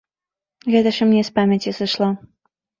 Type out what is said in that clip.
Гэта ж і мне з памяці сышло.